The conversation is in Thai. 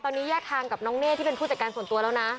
ตอนนี้แยกทางกับน้องเน่ที่เป็นผู้จัดการส่วนตัวแล้วนะ